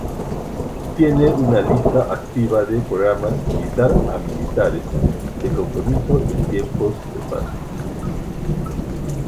Tiene una lista activa de programas militar-a-militares de compromiso en tiempos de paz.